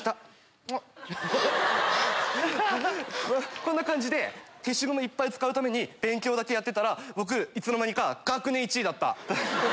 こんな感じで消しゴムいっぱい使うために勉強だけやってたら僕いつの間にか学年１位だった。